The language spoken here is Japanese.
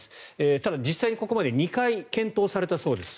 ただ、実際にここまで２回検討されたそうです。